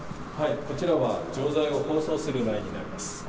こちらは錠剤を包装するラインになります。